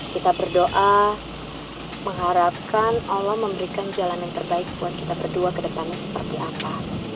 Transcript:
kita berdoa mengharapkan allah memberikan jalan yang terbaik buat kita berdua ke depannya seperti apa